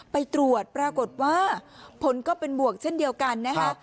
ไปตรวจปรากฏว่าผลก็เป็นบวกเช่นเดียวกันนะคะ